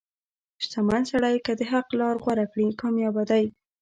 • شتمن سړی که د حق لار غوره کړي، کامیابه دی.